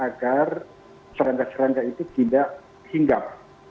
agar serangga serangga itu tidak hinggap